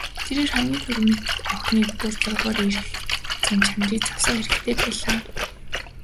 Тэрээр хамгийн түрүүнд охины дур зоргоороо эрх зан чанарыг засах хэрэгтэй байлаа.